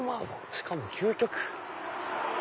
しかも究極。